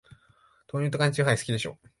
豆乳と缶チューハイ、好きでしょ。